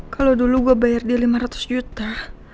kalau dulu gue bayar dia lima ratus juta